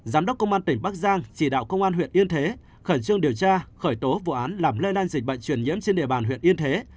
giám đốc công an tỉnh bắc giang chỉ đạo công an huyện yên thế khẩn trương điều tra khởi tố vụ án làm lây lan dịch bệnh truyền nhiễm trên địa bàn huyện yên thế